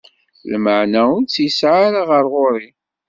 Lmeεna ur tt-yesεi ɣer ɣur-i.